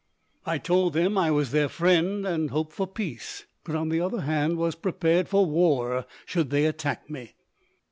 I told them I was their friend and hoped for peace; but, on the other hand, was prepared for war should they attack me.